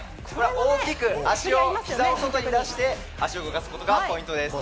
大きくヒザを外に出して動かすことがポイントです。